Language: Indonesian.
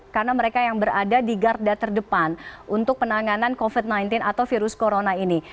karena mereka yang berada di garda terdepan untuk penanganan covid sembilan belas atau virus corona ini